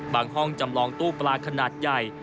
ห้องจำลองตู้ปลาขนาดใหญ่